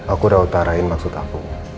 aku udah utarain maksud aku